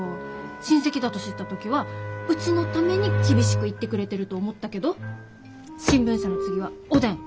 親戚だと知った時はうちのために厳しく言ってくれてると思ったけど新聞社の次はおでん。